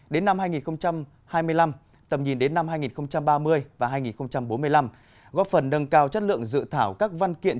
đến năm hai nghìn hai mươi năm tầm nhìn đến năm hai nghìn ba mươi và hai nghìn bốn mươi năm góp phần nâng cao chất lượng dự thảo các văn kiện